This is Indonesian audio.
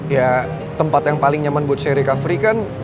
ya tempat yang paling nyaman buat se recovery kan